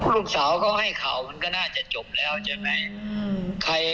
ลูกสาวก็ให้ข่าวจะจบแล้วใช่ไหม